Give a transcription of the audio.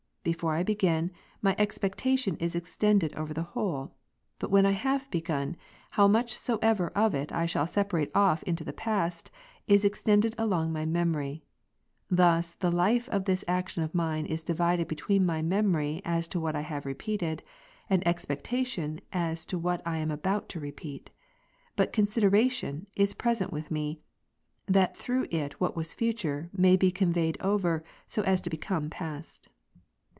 Before I begin, my expectation is extended over the whole ; but Avhen I have begun, how much soever of it I shall separate off into the past, is extended along my memory ; thus the life of this action of mine is divided between my memory as to what I have repeated, and expectation as to what I am about to repeat; but "consideration" is present with me, that through it what was future, may be conveyed over, so as to become past.